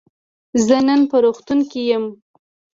زه نن په روغتون کی یم.